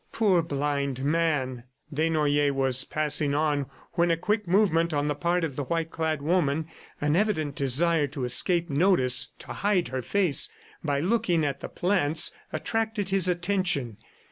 Poor blind man! ... Desnoyers was passing on when a quick movement on the part of the white clad woman, an evident desire to escape notice, to hide her face by looking at the plants, attracted his attention.